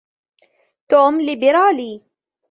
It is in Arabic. توم ليبرالي.